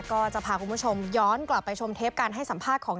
ก็จะพาคุณผู้ชมย้อนกลับไปชมเทปการให้สัมภาษณ์ของ